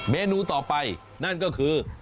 เมนูต่อไปนั่นก็คือ